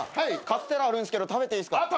カステラあるんすけど食べていいっすか？